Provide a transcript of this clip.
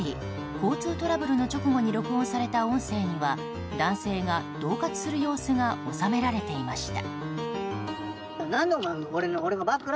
交通トラブルの直後に録音された音声には男性が恫喝する様子が収められていました。